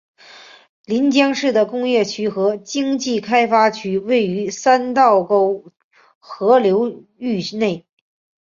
临江市的工业区和经济开发区位于三道沟河流域内。